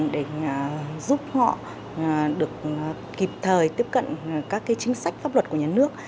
để giúp họ được kịp thời tiếp cận các chính sách pháp luật của nhà nước